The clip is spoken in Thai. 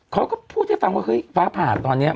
เค้าก็พูดให้ฟังว่าฟ้าผ่านตอนเนี้ยมัน